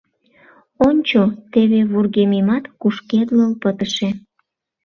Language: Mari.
Ончо, теве вургемемат кушкедлыл пытыше.